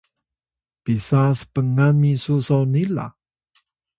pisa spngan misu soni la?